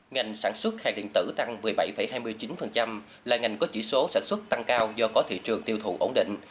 ngành sản xuất hàng điện tử tăng một mươi bảy hai mươi chín là ngành có chỉ số sản xuất tăng cao do có thị trường tiêu thụ ổn định